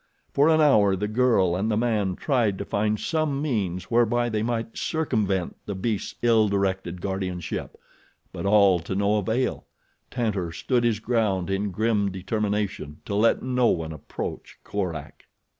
For an hour the girl and the man tried to find some means whereby they might circumvent the beast's ill directed guardianship, but all to no avail; Tantor stood his ground in grim determination to let no one approach Korak.